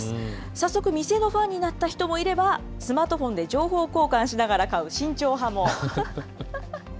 早速店のファンになった人もいれば、スマートフォンで情報交換しながら買う慎重派も。